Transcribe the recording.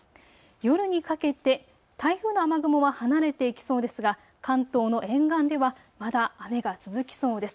夜にかけて台風の雨雲は離れていきそうですが関東の沿岸ではまだ雨が続きそうです。